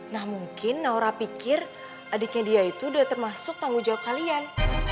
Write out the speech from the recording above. nah mungkin naura pikir adiknya dia itu udah termasuk tanggung jawab kalian